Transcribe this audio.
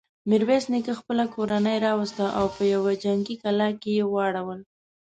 ميرويس نيکه خپله کورنۍ راوسته او په يوه جنګي کلا کې يې واړول.